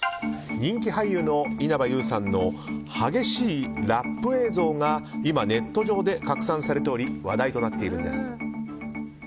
人気俳優の稲葉友さんの激しいラップ映像が今、ネット上で拡散されており話題となっているんです。